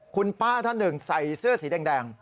คุณป้าท่านหนึ่งใส่เสื้อสีแดง